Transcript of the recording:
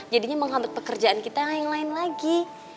jadinya menghambat pekerjaan kita yang lain lagi